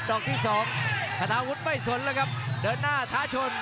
อกที่สองธนาวุฒิไม่สนแล้วครับเดินหน้าท้าชน